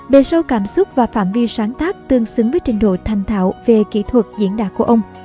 bề sâu cảm xúc và phạm vi sáng tác tương xứng với trình độ thành thạo về kỹ thuật diễn đạt của ông